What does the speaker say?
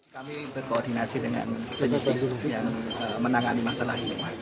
kami berkoordinasi dengan penyidik yang menangani masalah ini